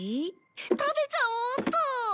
食べちゃおうっと！